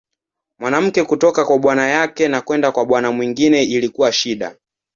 Mwanamke kutoka kwa bwana yake na kwenda kwa bwana mwingine ilikuwa shida.